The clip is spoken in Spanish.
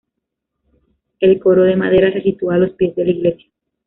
El coro de madera se sitúa a los pies de la iglesia.